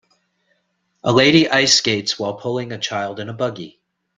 A lady ice skates while pulling a child in a buggy.